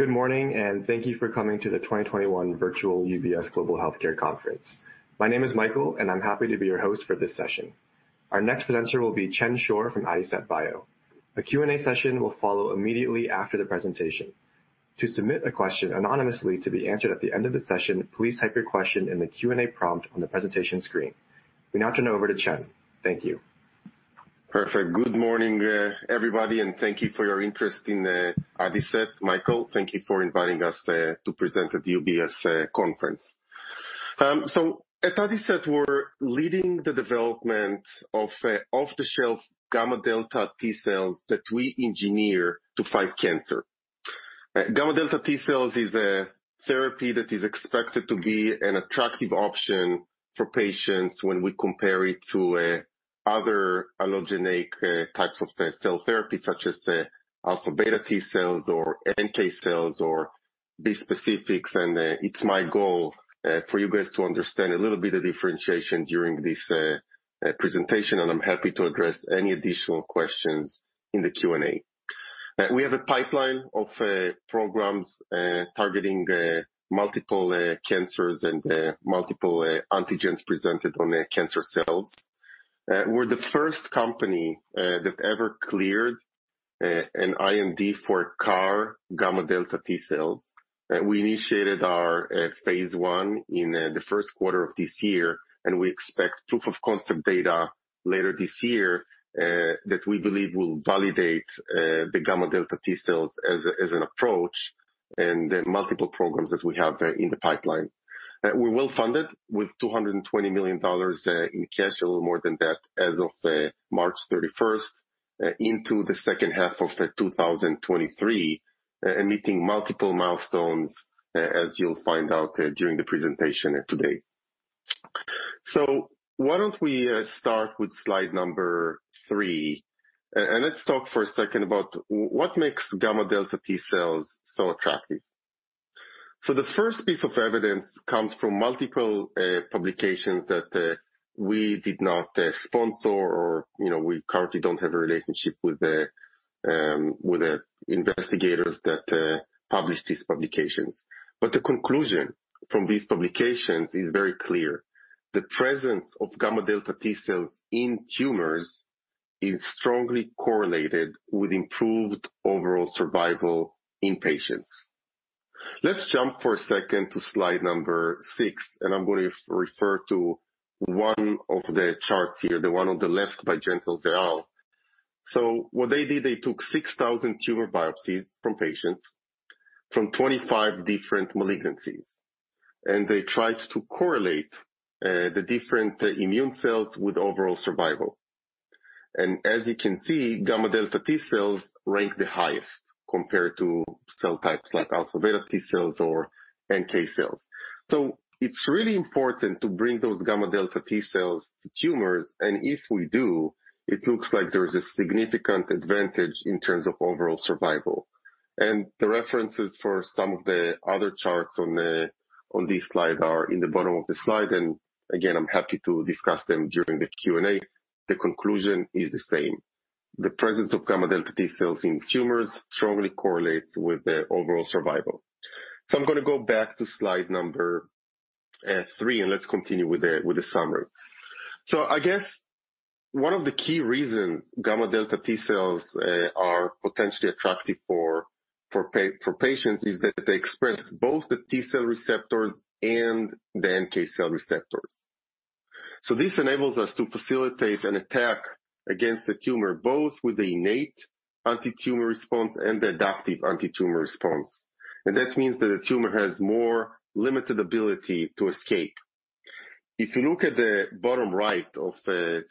Good morning, and thank you for coming to the 2021 virtual UBS Global Healthcare Virtual Conference. My name is Michael, and I'm happy to be your host for this session. Our next presenter will be Chen Schor from Adicet Bio. A Q&A session will follow immediately after the presentation. To submit a question anonymously to be answered at the end of the session, please type your question in the Q&A prompt on the presentation screen. We now turn over to Chen. Thank you. Perfect. Good morning, everybody. Thank you for your interest in Adicet. Michael, thank you for inviting us to present at the UBS conference. At Adicet, we're leading the development of off-the-shelf gamma delta T cells that we engineer to fight cancer. Gamma delta T cells is a therapy that is expected to be an attractive option for patients when we compare it to other allogeneic types of cell therapy, such as alpha beta T cells or NK cells or bispecifics. It's my goal for you guys to understand a little bit of differentiation during this presentation, and I'm happy to address any additional questions in the Q&A. We have a pipeline of programs targeting multiple cancers and multiple antigens presented on cancer cells. We're the first company that ever cleared an IND for CAR gamma delta T cells. We initiated our phase I in the first quarter of this year, we expect proof of concept data later this year, that we believe will validate the gamma delta T cells as an approach and the multiple programs that we have in the pipeline. We will fund it with $220 million in cash, a little more than that as of March 31st, into the second half of 2023, meeting multiple milestones, as you'll find out during the presentation today. Why don't we start with slide number three, let's talk for a second about what makes gamma delta T cells so attractive. The first piece of evidence comes from multiple publications that we did not sponsor or we currently don't have a relationship with the investigators that published these publications. The conclusion from these publications is very clear. The presence of gamma delta T cells in tumors is strongly correlated with improved overall survival in patients. Let's jump for a second to slide number six, I'm going to refer to one of the charts here, the one on the left by Gentles et al. What they did, they took 6,000 tumor biopsies from patients from 25 different malignancies, they tried to correlate the different immune cells with overall survival. As you can see, gamma delta T cells ranked the highest compared to cell types like alpha beta T cells or NK cells. It's really important to bring those gamma delta T cells to tumors, if we do, it looks like there's a significant advantage in terms of overall survival. The references for some of the other charts on this slide are in the bottom of the slide, again, I'm happy to discuss them during the Q&A. The conclusion is the same. The presence of gamma delta T cells in tumors strongly correlates with the overall survival. I'm going to go back to slide number three, and let's continue with the summary. I guess one of the key reasons gamma delta T cells are potentially attractive for patients is that they express both the T cell receptors and the NK cell receptors. This enables us to facilitate an attack against the tumor, both with the innate anti-tumor response and the adaptive anti-tumor response. That means that the tumor has more limited ability to escape. If you look at the bottom right of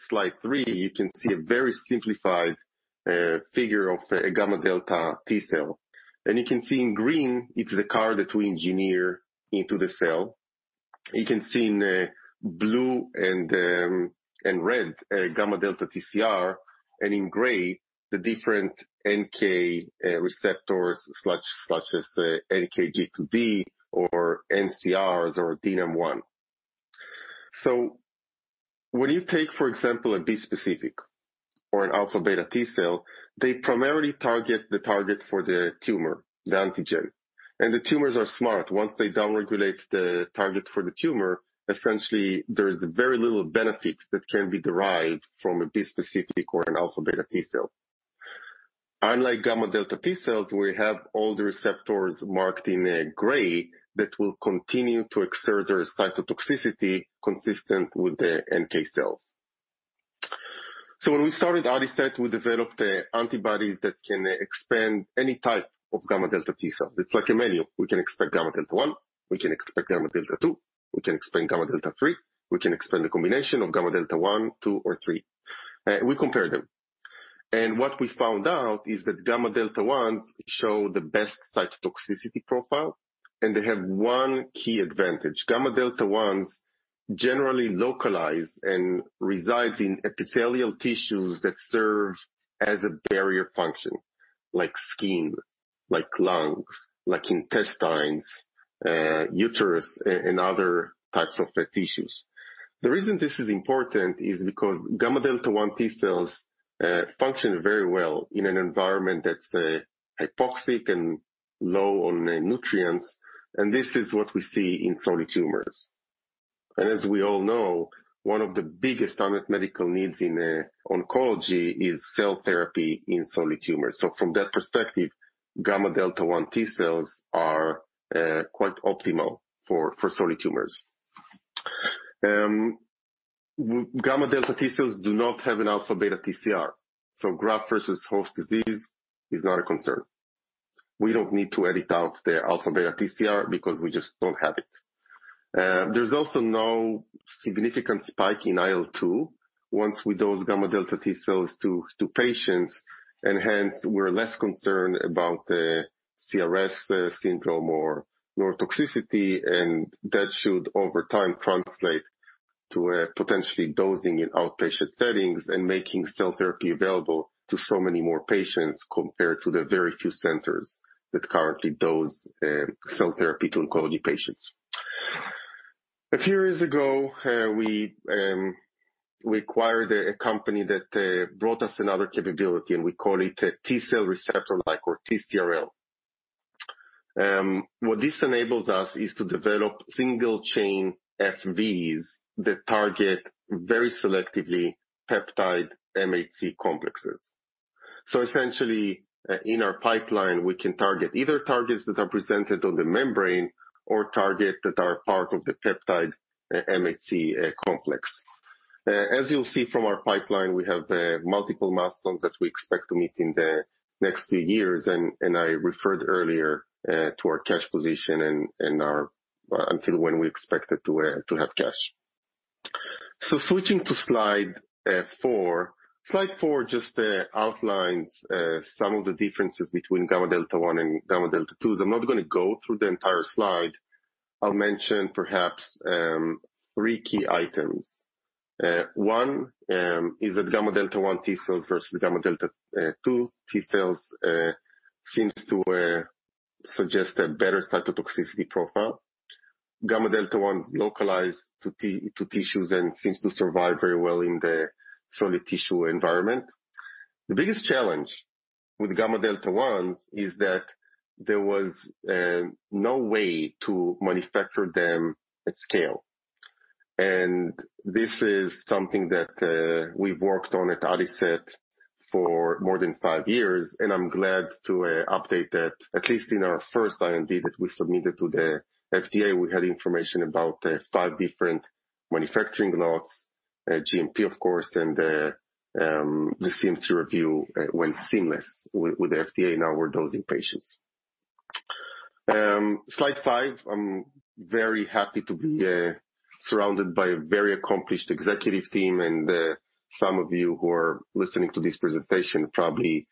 slide three, you can see a very simplified figure of a gamma delta T cell. You can see in green, it's the CAR that we engineer into the cell. You can see in blue and red, gamma delta TCR, and in gray, the different NK receptors such as NKG2D or NCRs or DNAM-1. When you take, for example, a bispecific or an alpha beta T cell, they primarily target the target for the tumor, the antigen. The tumors are smart. Once they downregulate the target for the tumor, essentially, there is very little benefit that can be derived from a bispecific or an alpha beta T cell. Unlike gamma delta T cells, we have all the receptors marked in gray that will continue to exert their cytotoxicity consistent with the NK cells. When we started Adicet, we developed antibodies that can expand any type of gamma delta T cell. It's like a menu. We can expand gamma delta one, we can expand gamma delta two, we can expand gamma delta three, we can expand a combination of gamma delta one, two, or three. We compare them. What we found out is that gamma delta ones show the best cytotoxicity profile, and they have one key advantage. Gamma delta ones generally localize and reside in epithelial tissues that serve as a barrier function, like skin, like lungs, like intestines, uterus, and other types of tissues. The reason this is important is because gamma delta one T cells function very well in an environment that's hypoxic and low on nutrients, and this is what we see in solid tumors. As we all know, one of the biggest unmet medical needs in oncology is cell therapy in solid tumors. From that perspective, gamma delta one T cells are quite optimal for solid tumors. Gamma delta T cells do not have an alpha-beta TCR. Graft-versus-host disease is not a concern. We don't need to edit out the alpha-beta TCR because we just don't have it. There's also no significant spike in IL-2 once we dose gamma delta T cells to patients, and hence we're less concerned about the CRS syndrome or neurotoxicity, and that should, over time, translate to potentially dosing in outpatient settings and making cell therapy available to so many more patients compared to the very few centers that currently dose cell therapy to oncology patients. A few years ago, we acquired a company that brought us another capability. We call it T cell receptor-like, or TCRL. What this enables us is to develop single-chain FVs that target very selectively peptide MHC complexes. Essentially, in our pipeline, we can target either targets that are presented on the membrane or targets that are part of the peptide MHC complex. As you'll see from our pipeline, we have multiple milestones that we expect to meet in the next few years. I referred earlier to our cash position and until when we expect to have cash. Switching to slide four. Slide four just outlines some of the differences between gamma delta one and gamma delta two. I'm not going to go through the entire slide. I'll mention perhaps three key items. One is that gamma delta one T cells versus gamma delta two T cells seems to suggest a better cytotoxicity profile. Gamma delta one's localized to tissues and seems to survive very well in the solid tissue environment. The biggest challenge with gamma delta ones is that there was no way to manufacture them at scale. This is something that we've worked on at Adicet for more than five years, and I'm glad to update that at least in our first IND that we submitted to the FDA, we had information about the five different manufacturing lots, GMP of course, and the CMC review went seamless with the FDA, now we're dosing patients. Slide five, I'm very happy to be surrounded by a very accomplished executive team. Some of you who are listening to this presentation probably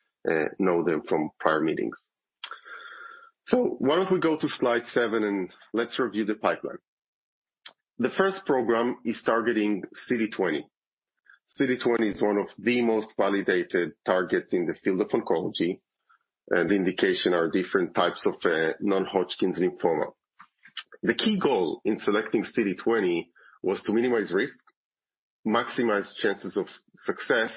know them from prior meetings. Why don't we go to slide seven and let's review the pipeline. The first program is targeting CD20. CD20 is one of the most validated targets in the field of oncology, and the indication are different types of non-Hodgkin's lymphoma. The key goal in selecting CD20 was to minimize risk, maximize chances of success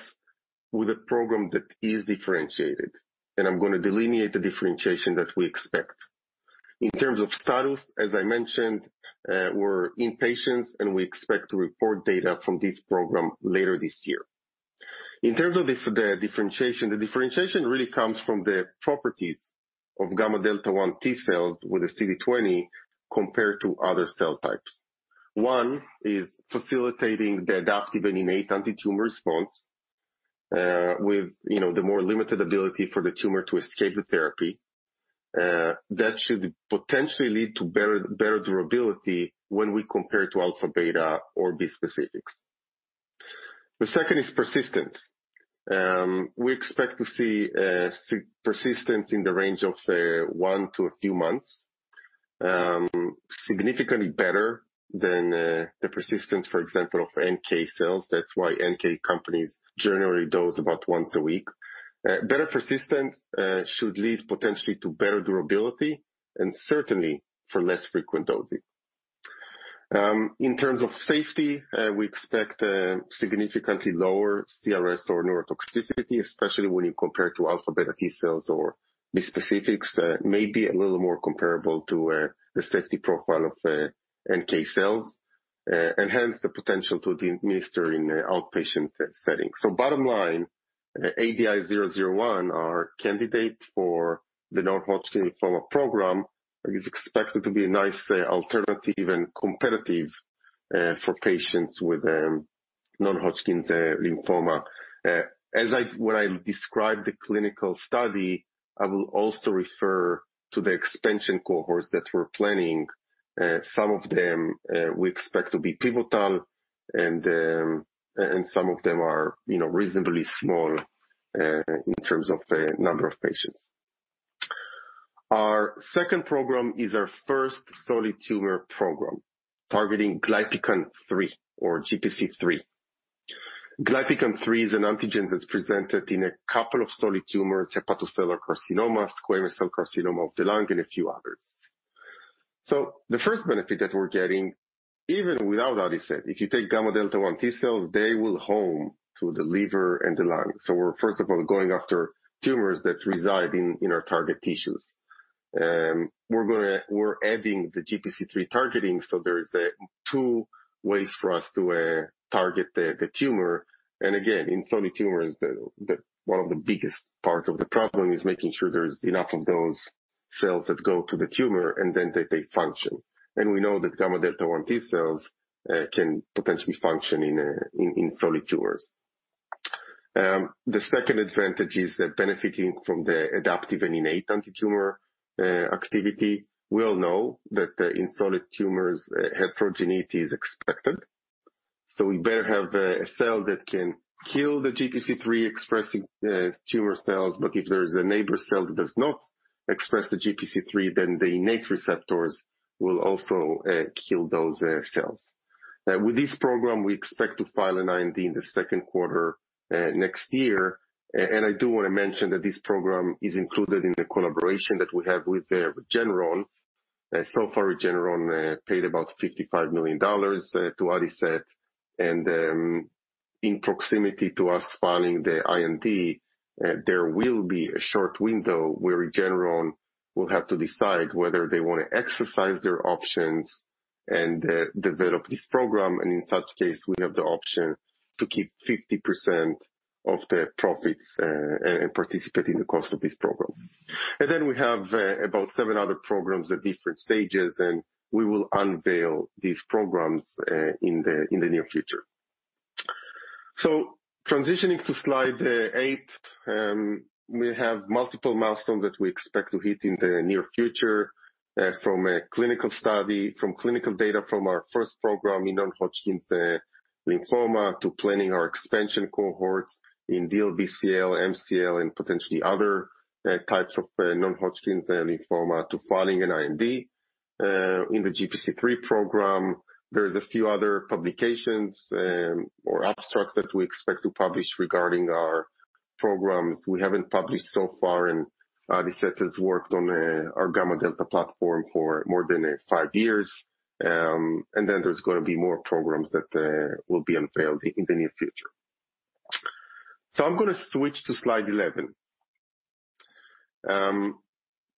with a program that is differentiated, and I'm going to delineate the differentiation that we expect. In terms of status, as I mentioned, we're in patients, and we expect to report data from this program later this year. In terms of the differentiation, the differentiation really comes from the properties of gamma delta one T cells with the CD20 compared to other cell types. One is facilitating the adaptive and innate anti-tumor response, with the more limited ability for the tumor to escape the therapy. That should potentially lead to better durability when we compare to alpha beta or bispecifics. The second is persistence. We expect to see persistence in the range of one to a few months, significantly better than the persistence, for example, of NK cells. That's why NK companies generally dose about once a week. Better persistence should lead potentially to better durability and certainly for less frequent dosing. In terms of safety, we expect significantly lower CRS or neurotoxicity, especially when you compare to alpha beta T cells or bispecifics that may be a little more comparable to the safety profile of NK cells, and hence the potential to administer in the outpatient setting. Bottom line, ADI-001, our candidate for the non-Hodgkin's lymphoma program, is expected to be a nice alternative and competitive for patients with non-Hodgkin's lymphoma. When I describe the clinical study, I will also refer to the expansion cohorts that we're planning. Some of them we expect to be pivotal, and some of them are reasonably small in terms of the number of patients. Our second program is our first solid tumor program targeting glypican-3, or GPC-3. Glypican-3 is an antigen that's presented in a couple of solid tumors, hepatocellular carcinoma, squamous cell carcinoma of the lung, and a few others. The first benefit that we're getting, even without Adicet, if you take gamma delta one T cells, they will home to the liver and the lung. We're first of all going after tumors that reside in our target tissues. We're adding the GPC-3 targeting, so there's two ways for us to target the tumor. Again, in solid tumors, one of the biggest parts of the problem is making sure there's enough of those cells that go to the tumor and then that they function. We know that gamma delta T cells can potentially function in solid tumors. The second advantage is that benefiting from the adaptive and innate antitumor activity. We all know that in solid tumors, heterogeneity is expected. We better have a cell that can kill the GPC-3-expressing tumor cells, but if there's a neighbor cell that does not express the GPC-3, then the innate receptors will also kill those cells. With this program, we expect to file an IND in the second quarter next year. I do want to mention that this program is included in the collaboration that we have with Regeneron. So far, Regeneron paid about $55 million to Adicet, and in proximity to us filing the IND, there will be a short window where Regeneron will have to decide whether they want to exercise their options and develop this program. In such case, we have the option to keep 50% of the profits and participate in the cost of this program. Then we have about seven other programs at different stages, and we will unveil these programs in the near future. Transitioning to slide eight, we have multiple milestones that we expect to hit in the near future, from a clinical study, from clinical data from our first program in non-Hodgkin's lymphoma, to planning our expansion cohorts in DLBCL, MCL, and potentially other types of non-Hodgkin's lymphoma, to filing an IND. In the GPC-3 program, there's a few other publications or abstracts that we expect to publish regarding our programs we haven't published so far, and Adicet has worked on our gamma delta platform for more than five years. There's going to be more programs that will be unveiled in the near future. I'm going to switch to slide 11. I'm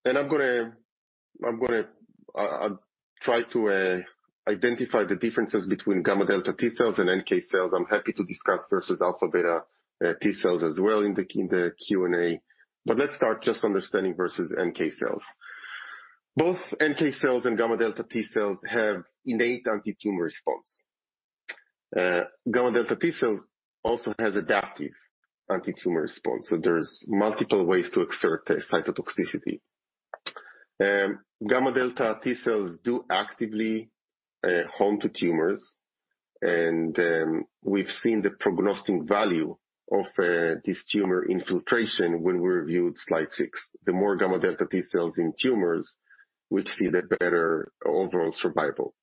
going to try to identify the differences between gamma delta T cells and NK cells. I'm happy to discuss versus alpha beta T cells as well in the Q&A, but let's start just understanding versus NK cells. Both NK cells and gamma delta T cells have innate antitumor response. Gamma delta T cells also has adaptive antitumor response, so there's multiple ways to exert the cytotoxicity. Gamma delta T cells do actively home to tumors, and we've seen the prognostic value of this tumor infiltration when we reviewed slide six. The more gamma delta T cells in tumors, we see the better overall survival.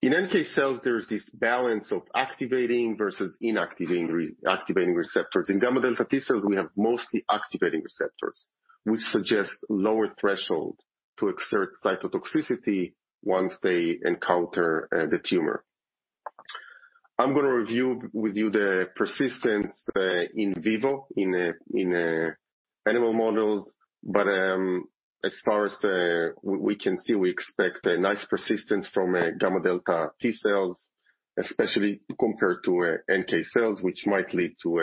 In NK cells, there's this balance of activating versus inactivating receptors. In gamma delta T cells, we have mostly activating receptors, which suggest lower threshold to exert cytotoxicity once they encounter the tumor. I'm going to review with you the persistence in vivo in animal models, but as far as we can see, we expect a nice persistence from gamma delta T cells, especially compared to NK cells, which might lead to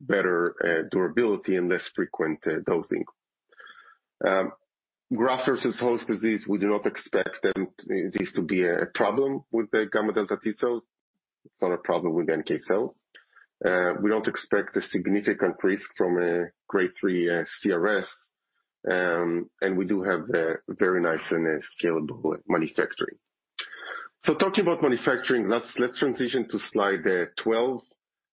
better durability and less frequent dosing. Graft-versus-host disease, we do not expect this to be a problem with the gamma delta T cells. It's not a problem with NK cells. We don't expect a significant increase from grade three CRS, and we do have a very nice and scalable manufacturing. Talking about manufacturing, let's transition to slide 12.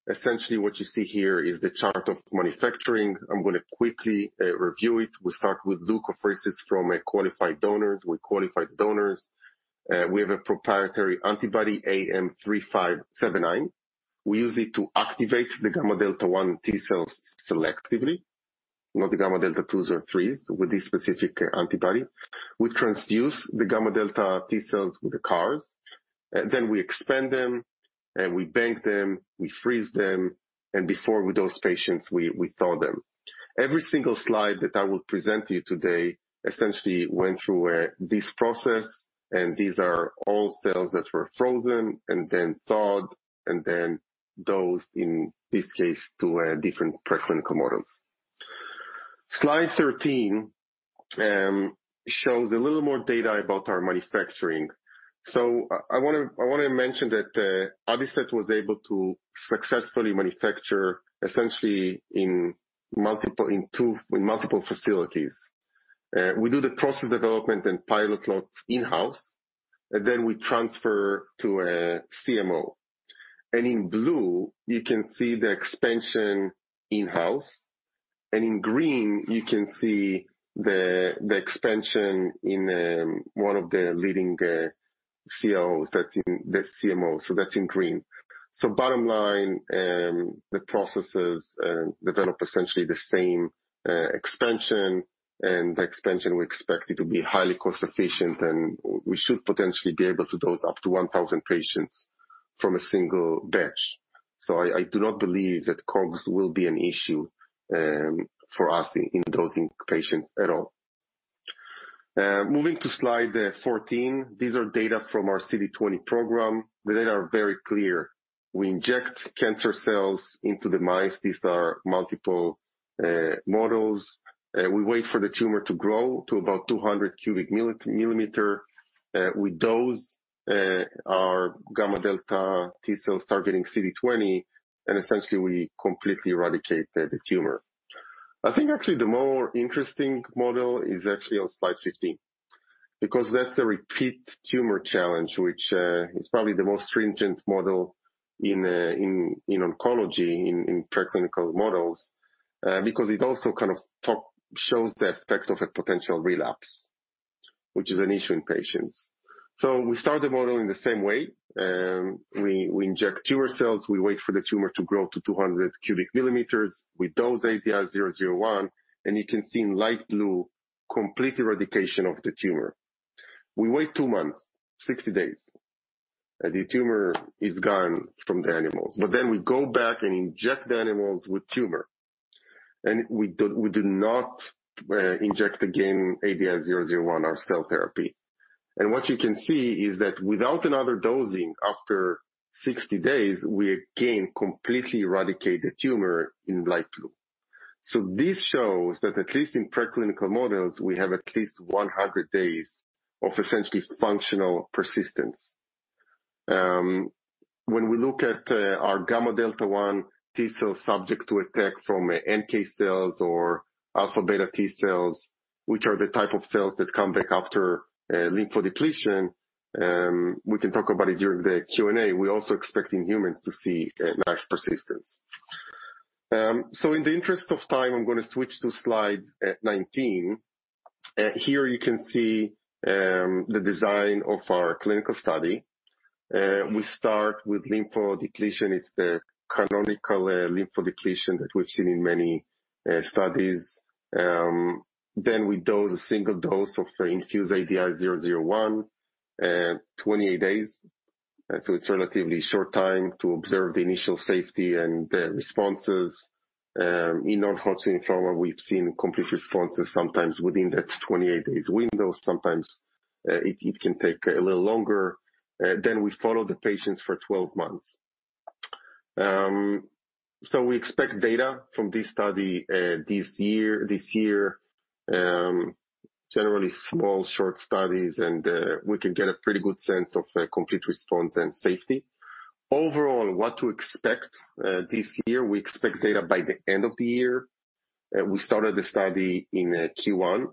Essentially what you see here is the chart of manufacturing. I'm going to quickly review it. We start with leukapheresis from qualified donors. With qualified donors, we have a proprietary antibody, AM3579. We use it to activate the gamma delta one T cells selectively, not the gamma delta twos or threes with this specific antibody. We transduce the gamma delta T cells with the CARs, and then we expand them, and we bank them, we freeze them, and before we dose patients, we thaw them. Every single slide that I will present to you today essentially went through this process. These are all cells that were frozen and then thawed, and then dosed, in this case, to different preclinical models. Slide 13 shows a little more data about our manufacturing. I want to mention that Adicet was able to successfully manufacture essentially in multiple facilities. We do the process development and pilot lots in-house, and then we transfer to a CMO. In blue, you can see the expansion in-house, and in green, you can see the expansion in one of the leading CMOs, that's CMO, that's in green. Bottom line, the processes develop essentially the same expansion, and the expansion we expect it to be highly cost efficient, and we should potentially be able to dose up to 1,000 patients from a single batch. I do not believe that costs will be an issue for us in dosing patients at all. Moving to slide 14, these are data from our CD20 program. The data are very clear. We inject cancer cells into the mice. These are multiple models. We wait for the tumor to grow to about 200 cu mm. We dose our gamma delta T cells targeting CD20, and essentially, we completely eradicate the tumor. I think actually the more interesting model is actually on slide 15 because that's a repeat tumor challenge, which is probably the most stringent model in oncology, in preclinical models, because it also kind of shows the effect of a potential relapse, which is an issue in patients. We start the model in the same way. We inject tumor cells, we wait for the tumor to grow to 200 cu mm. We dose ADI-001, and you can see in light blue complete eradication of the tumor. We wait two months, 60 days, and the tumor is gone from the animals. We go back and inject the animals with tumor. We did not inject again ADI-001, our cell therapy. What you can see is that without another dosing after 60 days, we again completely eradicate the tumor in light blue. This shows that at least in preclinical models, we have at least 100 days of essentially functional persistence. When we look at our gamma delta one T cells subject to attack from NK cells or alpha-beta T cells, which are the type of cells that come back after lymphodepletion, we can talk about it during the Q&A, we're also expecting humans to see nice persistence. In the interest of time, I'm going to switch to slide nineteen. Here you can see the design of our clinical study. We start with lymphodepletion. It's the canonical lymphodepletion that we've seen in many studies. We dose a single dose of infused ADI-001, 28 days. It's a relatively short time to observe the initial safety and the responses. In non-Hodgkin's lymphoma, we've seen complete responses sometimes within that 28 days window, sometimes it can take a little longer. We follow the patients for 12 months. We expect data from this study this year. Generally small, short studies, and we can get a pretty good sense of complete response and safety. Overall, what to expect this year, we expect data by the end of the year. We started the study in Q1.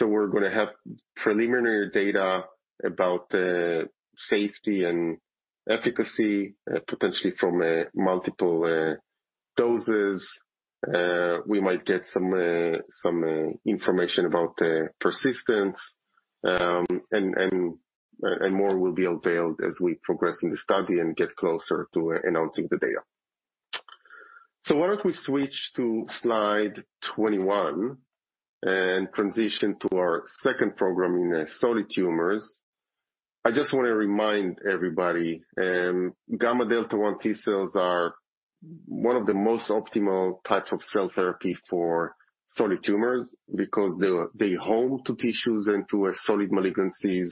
We're going to have preliminary data about the safety and efficacy, potentially from multiple doses. We might get some information about the persistence, and more will be unveiled as we progress in the study and get closer to announcing the data. Why don't we switch to slide 21 and transition to our second program in solid tumors? I just want to remind everybody, gamma delta one T cells are one of the most optimal types of cell therapy for solid tumors because they home to tissues and to solid malignancies,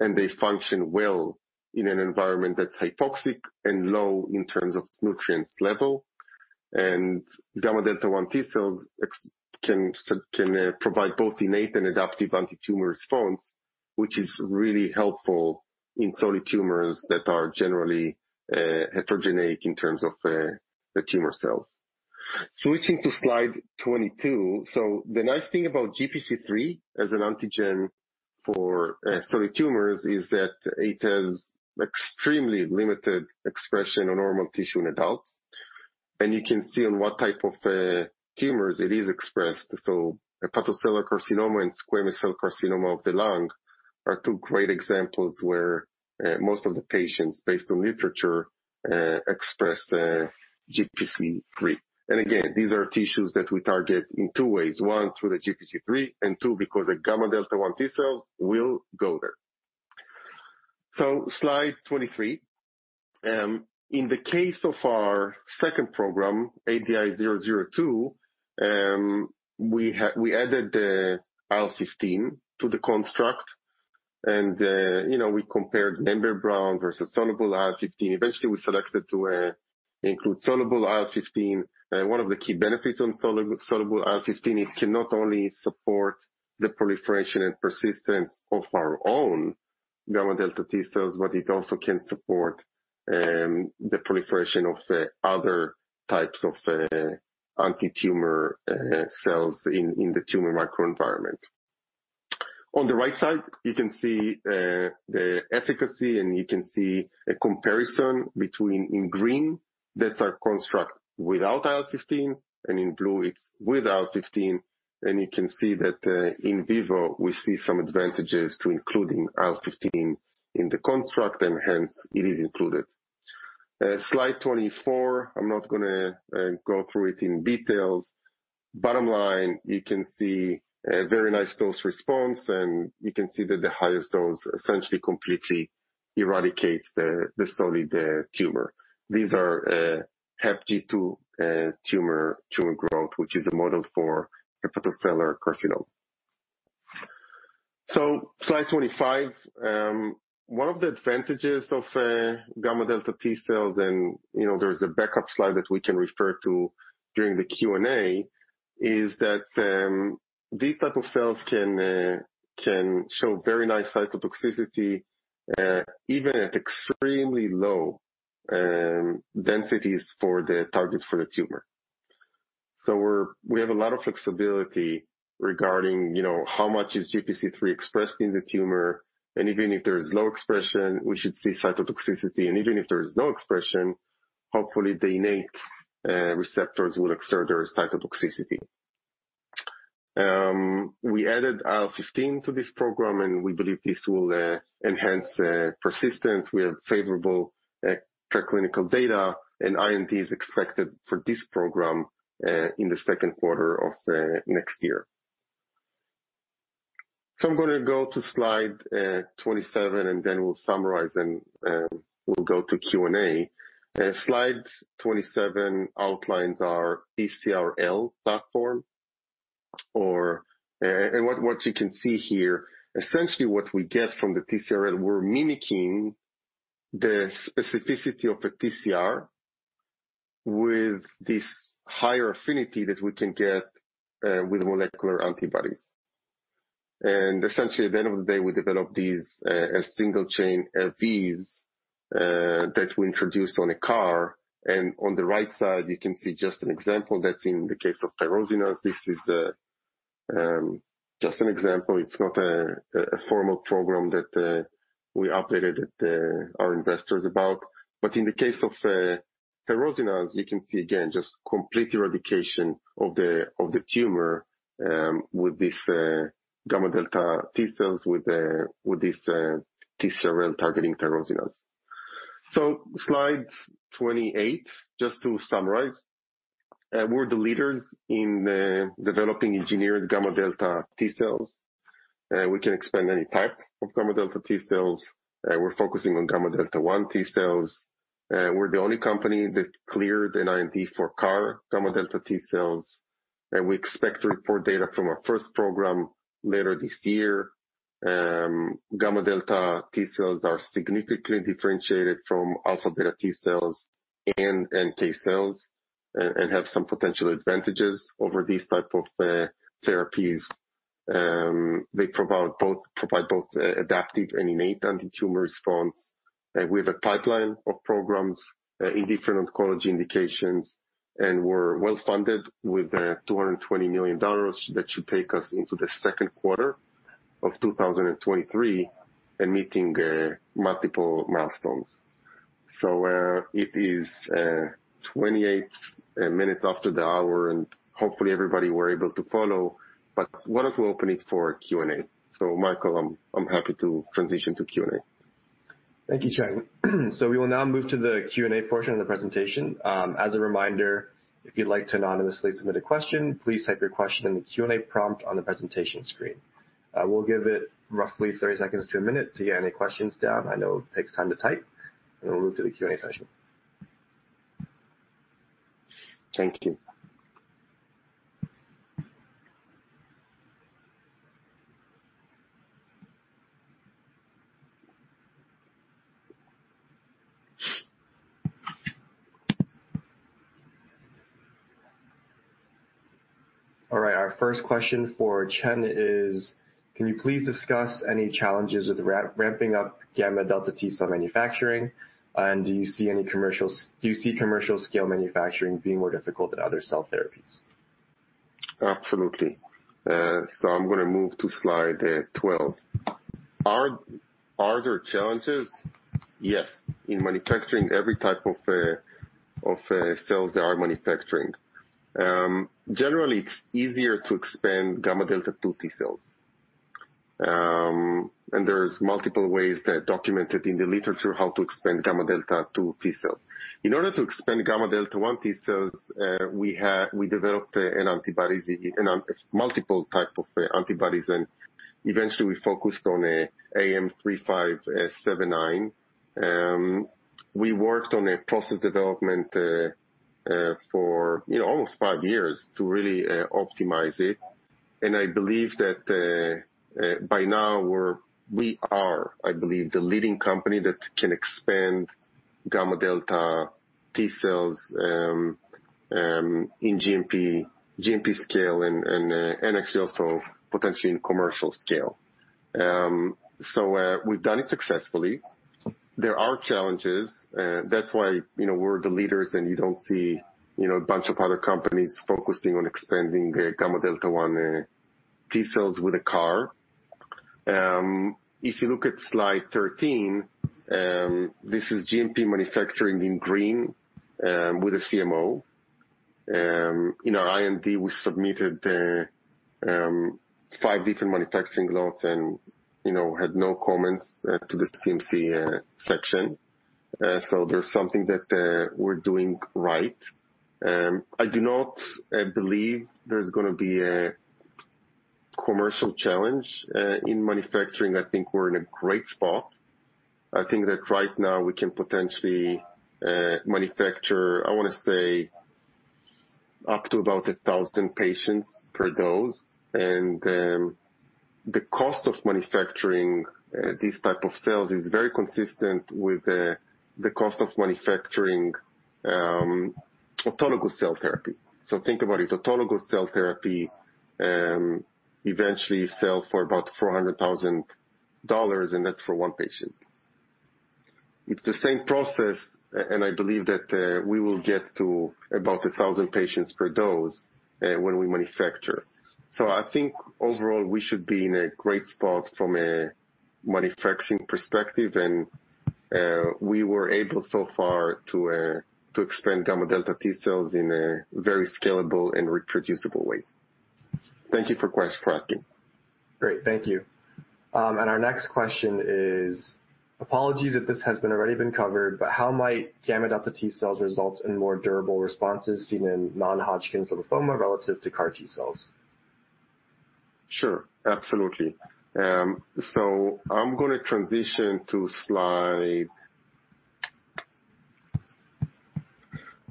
and they function well in an environment that's hypoxic and low in terms of nutrients level. Gamma delta one T cells can provide both innate and adaptive anti-tumor response, which is really helpful in solid tumors that are generally heterogeneous in terms of the tumor cells. Switching to slide 22. The nice thing about GPC-3 as an antigen for solid tumors is that it has extremely limited expression on normal tissue in adults, and you can see on what type of tumors it is expressed. Hepatocellular carcinoma and squamous cell carcinoma of the lung are two great examples where most of the patients, based on literature, express GPC-3. Again, these are tissues that we target in two ways. One, through the GPC-3, and two, because the gamma delta one T cells will go there. Slide 23. In the case of our second program, ADI-002, we added the IL-15 to the construct, and we compared membrane-bound versus soluble IL-15. Eventually, we selected to include soluble IL-15. One of the key benefits of soluble IL-15 is to not only support the proliferation and persistence of our own gamma delta T cells, but it also can support the proliferation of other types of anti-tumor cells in the tumor microenvironment. On the right side, you can see the efficacy, and you can see a comparison between in green, that's our construct without IL-15, and in blue, it's with IL-15. You can see that in vivo, we see some advantages to including IL-15 in the construct, and hence it is included. Slide 24, I'm not going to go through it in details. Bottom line, you can see a very nice dose response, and you can see that the highest dose essentially completely eradicates the solid tumor. These are HepG2 tumor growth, which is a model for hepatocellular carcinoma. Slide 25. One of the advantages of gamma delta T cells, and there's a backup slide that we can refer to during the Q&A, is that these type of cells can show very nice cytotoxicity, even at extremely low densities for the target for the tumor. We have a lot of flexibility regarding how much is GPC-3 expressed in the tumor, and even if there is low expression, we should see cytotoxicity. Even if there is no expression, hopefully the innate receptors will exert their cytotoxicity. We added IL-15 to this program, and we believe this will enhance persistence. We have favorable preclinical data. IND is expected for this program in the second quarter of next year. I'm going to go to slide 27. Then we'll summarize and we'll go to Q&A. Slide 27 outlines our TCRL platform. What you can see here, essentially what we get from the TCRL, we're mimicking the specificity of a TCR with this higher affinity that we can get with molecular antibodies. Essentially, at the end of the day, we develop these as single-chain FVs that we introduced on a CAR. On the right side, you can see just an example that's in the case of tyrosinase. This is just an example. It's not a formal program that we updated our investors about. In the case of tyrosinase, you can see again, just complete eradication of the tumor with these gamma delta T cells with this TCRL targeting tyrosinase. Slide 28, just to summarize. We're the leaders in developing engineered gamma delta T cells. We can expand any type of gamma delta T cells. We're focusing on gamma delta one T cells. We're the only company that cleared an IND for CAR gamma delta T cells, and we expect to report data from our first program later this year. Gamma delta T cells are significantly differentiated from alpha beta T cells and NK cells, and have some potential advantages over these type of therapies. They provide both adaptive and innate anti-tumor response. We have a pipeline of programs in different oncology indications, and we're well-funded with $220 million that should take us into the second quarter of 2023 and meeting multiple milestones. It is 28 minutes after the hour, and hopefully everybody were able to follow. What if we open it for Q&A? Michael, I'm happy to transition to Q&A. Thank you, Chen. We will now move to the Q&A portion of the presentation. As a reminder, if you'd like to anonymously submit a question, please type your question in the Q&A prompt on the presentation screen. We'll give it roughly 30 seconds to one minute to get any questions down. I know it takes time to type. We'll move to the Q&A session. Thank you. All right. Our first question for Chen is, "Can you please discuss any challenges with ramping up gamma delta T cell manufacturing? Do you see commercial scale manufacturing being more difficult than other cell therapies? Absolutely. I'm going to move to slide 12. Are there challenges? Yes. In manufacturing every type of cells, there are manufacturing. Generally, it's easier to expand gamma delta two T cells. There's multiple ways that are documented in the literature how to expand gamma delta two T cells. In order to expand gamma delta one T cells, we developed multiple type of antibodies, and eventually we focused on AM3579. We worked on a process development for almost five years to really optimize it, and I believe that by now we are the leading company that can expand gamma delta T cells in GMP scale and actually also potentially in commercial scale. We've done it successfully. There are challenges. That's why we're the leaders and you don't see a bunch of other companies focusing on expanding gamma delta one T cells with a CAR. If you look at slide 13, this is GMP manufacturing in green, with a CMO. In our IND, we submitted five different manufacturing lots and had no comments to the CMC section. There's something that we're doing right. I do not believe there's going to be a commercial challenge in manufacturing. I think we're in a great spot. I think that right now we can potentially manufacture, I want to say, up to about 1,000 patients per dose. The cost of manufacturing these type of cells is very consistent with the cost of manufacturing autologous cell therapy. Think about it, autologous cell therapy eventually sell for about $400,000, and that's for one patient. It's the same process. I believe that we will get to about 1,000 patients per dose when we manufacture. I think overall, we should be in a great spot from a manufacturing perspective, and we were able so far to expand gamma delta T cells in a very scalable and reproducible way. Thank you for asking. Great. Thank you. Our next question is, apologies if this has already been covered, how might gamma delta T cells result in more durable responses seen in non-Hodgkin's lymphoma relative to CAR T cells? Sure. Absolutely. I'm going to transition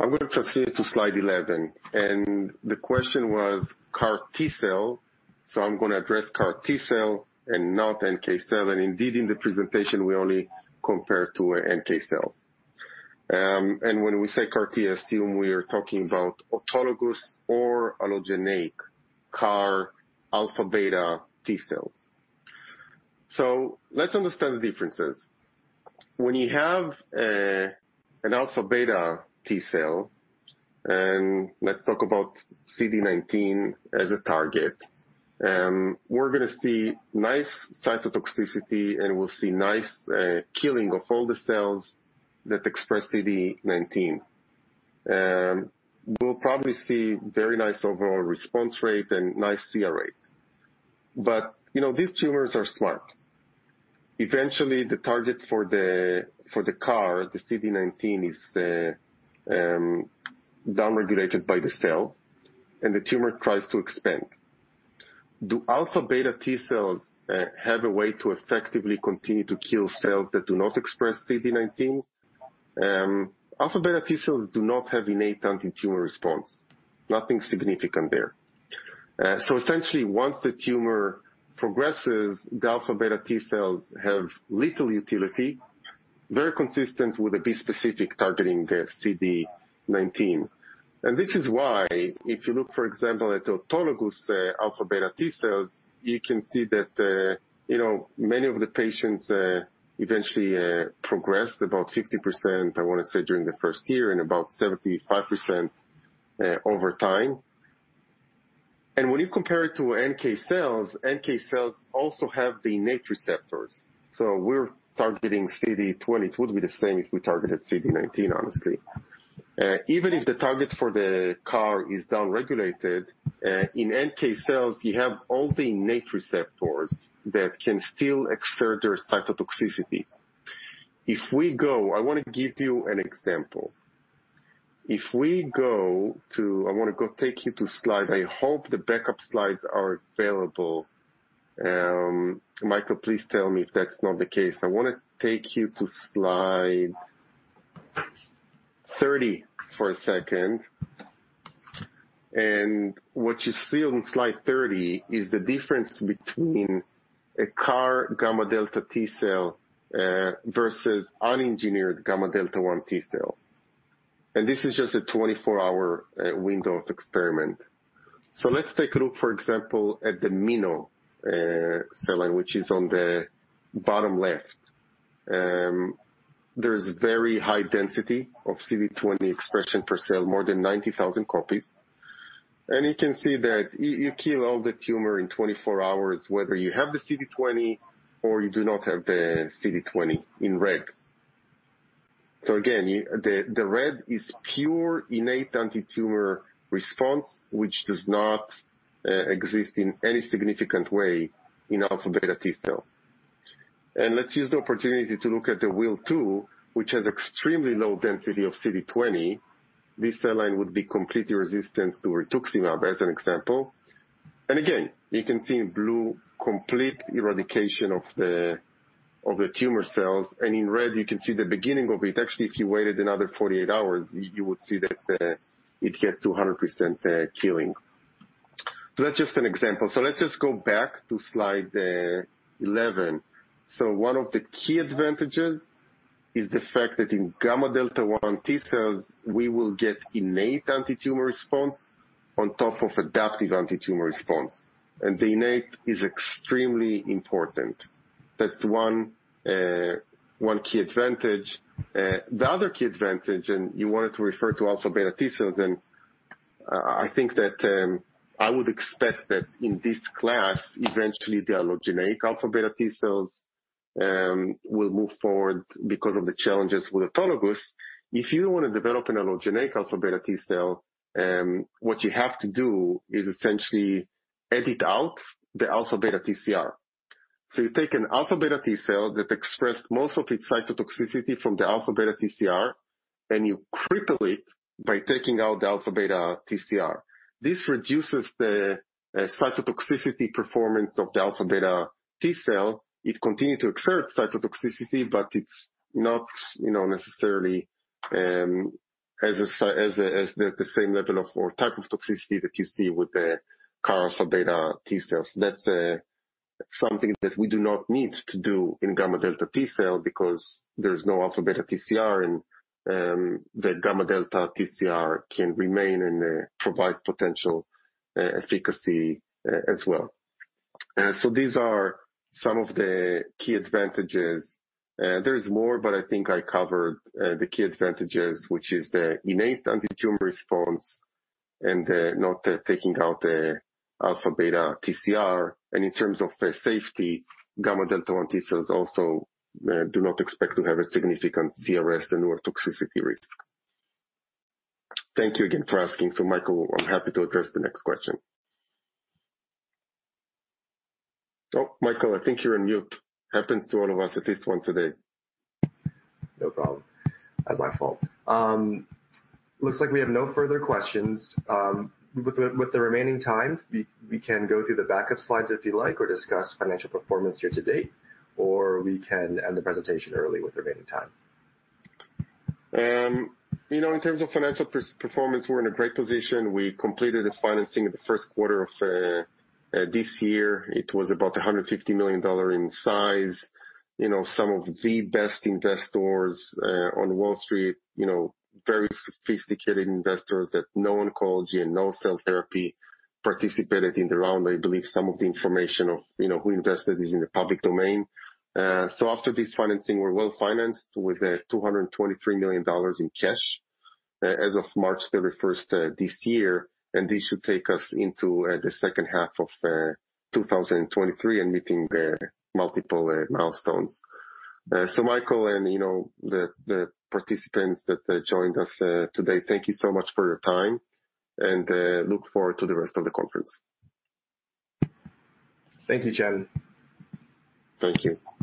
to slide 11, and the question was CAR T cell, so I'm going to address CAR T cell and not NK cell. Indeed, in the presentation, we only compared to NK cells. When we say CAR T, assume we are talking about autologous or allogeneic CAR alpha beta T cells. Let's understand the differences. When you have an alpha-beta T cell, and let's talk about CD19 as a target, we're going to see nice cytotoxicity, and we'll see nice killing of all the cells that express CD19. We'll probably see very nice overall response rate and nice CR rate. These tumors are smart. Eventually, the target for the CAR, the CD19, is downregulated by the cell, and the tumor tries to expand. Do alpha beta T cells have a way to effectively continue to kill cells that do not express CD19? Alpha beta T cells do not have innate antitumor response. Nothing significant there. Essentially, once the tumor progresses, the alpha beta T cells have little utility, very consistent with the bispecific targeting the CD19. This is why, if you look, for example, at autologous alpha beta T cells, you can see that many of the patients eventually progress, about 50%, I want to say, during the first year and about 75% over time. When you compare it to NK cells, NK cells also have the innate receptors. We're targeting CD20. It would be the same if we targeted CD19, honestly. Even if the target for the CAR is downregulated, in NK cells, you have all the innate receptors that can still exert their cytotoxicity. I want to give you an example. I want to take you to slide. I hope the backup slides are available. Michael, please tell me if that's not the case. I want to take you to slide 30 for a second. What you see on slide 30 is the difference between a CAR gamma delta T cell versus unengineered gamma delta one T cell. This is just a 24-hour window of experiment. Let's take a look, for example, at the Mino cell line, which is on the bottom left. There's very high density of CD20 expression per cell, more than 90,000 copies. You can see that you kill all the tumor in 24 hours, whether you have the CD20 or you do not have the CD20 in red. Again, the red is pure innate antitumor response, which does not exist in any significant way in alpha beta T cells. Let's use the opportunity to look at the WIL2, which has extremely low density of CD20. This cell line would be completely resistant to rituximab, as an example. Again, you can see in blue, complete eradication of the tumor cells. In red, you can see the beginning of it. Actually, if you waited another 48 hours, you would see that it gets to 100% killing. That's just an example. Let's just go back to slide 11. One of the key advantages is the fact that in gamma delta one T cells, we will get innate antitumor response on top of adaptive antitumor response. The innate is extremely important. That's one key advantage. The other key advantage, and you wanted to refer to alpha beta T cells, and I think that I would expect that in this class, eventually the allogeneic alpha-beta T cells will move forward because of the challenges with allogeneic. If you want to develop an allogeneic alpha-beta T cell, what you have to do is essentially edit out the alpha-beta TCR. You take an alpha-beta T cell that expressed most of its cytotoxicity from the alpha-beta TCR, and you cripple it by taking out the alpha-beta TCR. This reduces the cytotoxicity performance of the alpha-beta T cell. It continues to exert cytotoxicity, but it's not necessarily at the same level of or type of toxicity that you see with the alpha-beta T cells. That's something that we do not need to do in gamma delta T cell because there's no alpha-beta TCR, and the gamma delta TCR can remain and provide potential efficacy as well. These are some of the key advantages. There's more, but I think I covered the key advantages, which is the innate anti-tumor response and not taking out the alpha-beta TCR. In terms of safety, gamma delta one T cells also do not expect to have a significant CRS or toxicity risk. Thank you again for asking. Michael, I'm happy to address the next question. Oh, Michael, I think you're on mute. Happens to all of us at least once a day. No problem. My fault. Looks like we have no further questions. With the remaining time, we can go through the backup slides if you like, or discuss financial performance year to date, or we can end the presentation early with the remaining time. In terms of financial performance, we're in a great position. We completed the financing in the first quarter of this year. It was about $150 million in size. Some of the best investors on Wall Street, very sophisticated investors that know oncology and know cell therapy, participated in the round. I believe some of the information of who invested is in the public domain. After this financing, we're well-financed with $223 million in cash as of March 31st this year, and this should take us into the second half of 2023 and meeting the multiple milestones. Michael and the participants that joined us today, thank you so much for your time, and look forward to the rest of the conference. Thank you, Chen. Thank you.